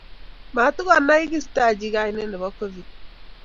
matkoam kiistaji kainet nebo covid